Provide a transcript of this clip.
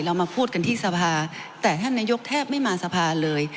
เรามาพูดกันที่สภาแต่ท่านนายกแทบไม่มาสภาเลย